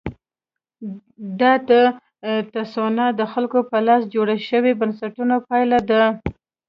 دا د تسوانا د خلکو په لاس جوړ شویو بنسټونو پایله ده.